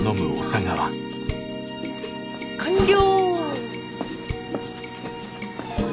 完了。